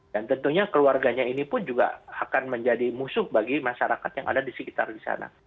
dan tentunya keluarganya ini pun juga akan menjadi musuh bagi masyarakat yang ada di sekitar di sana